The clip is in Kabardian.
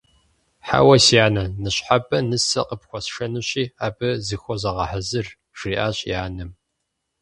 Хьэуэ, си анэ, ныщхьэбэ нысэ къыпхуэсшэнущи, абы зыхузогъэхьэзыр, - жриӀащ и анэм.